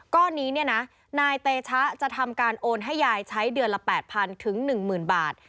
ก้อนนี้เนี่ยนะนายเตชะจะทำการโอนให้ยายใช้เดือนละ๘๐๐๐ถึง๑๐๐บาท